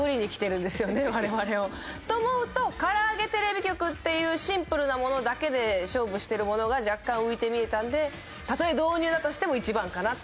我々を。と思うと「からあげ」「テレビ局」っていうシンプルなものだけで勝負してるものが若干浮いて見えたんでたとえ導入だとしても１番かなと。